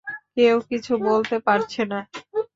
কেউ কিছু বলতে পারছে না।